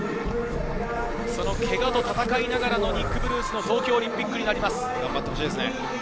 けがと闘いながらのニック・ブルースの東京オリンピックです。